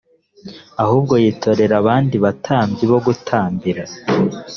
ahubwo yitorera abandi batambyi bo gutambira